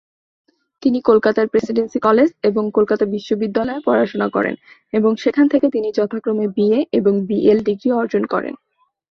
তিনি কলকাতার Presidency college এবং কলকাতা বিশ্ববিদ্যালয়ে পড়াশোনা করেন এবং, সেখান থেকে তিনি যথাক্রমে বিএ এবং বিএল ডিগ্রি অর্জন করেন।